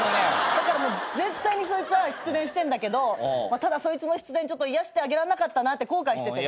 だから絶対にそいつは失恋してんだけどただそいつの失恋癒やしてあげらんなかったなって後悔しててね。